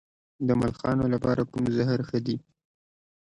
د ملخانو لپاره کوم زهر ښه دي؟